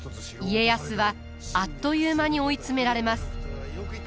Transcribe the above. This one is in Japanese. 家康はあっという間に追い詰められます。